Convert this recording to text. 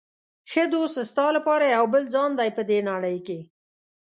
ښه دوست ستا لپاره یو بل ځان دی په دې نړۍ کې.